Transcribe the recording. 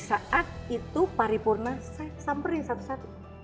saat itu paripurna saya samperin satu satu